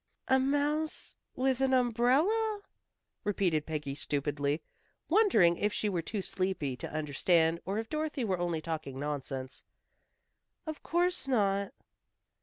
"A mouse with an umbrella!" repeated Peggy stupidly, wondering if she were too sleepy to understand, or if Dorothy were only talking nonsense. "Of course not."